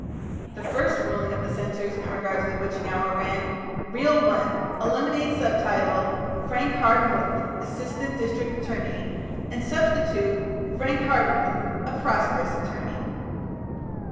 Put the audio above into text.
The first ruling of the censors in regard to "The Witching Hour" ran: "Reel One Eliminate subtitle 'Frank Hardmuth, assistant district attorney,' and substitute 'Frank Hardmuth, a prosperous attorney.'"